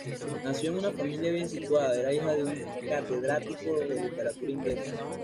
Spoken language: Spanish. Nació en una familia bien situada: era hija de un catedrático de literatura inglesa.